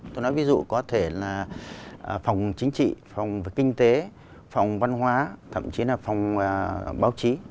tôi nói ví dụ có thể là phòng chính trị phòng về kinh tế phòng văn hóa thậm chí là phòng báo chí